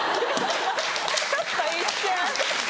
ちょっと一瞬。